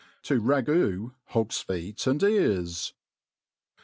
To ragoo Hogs Feet and Ears.